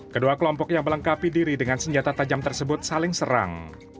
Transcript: kedua kelompok yang melengkapi diri dengan senjata tajam tersebut saling serang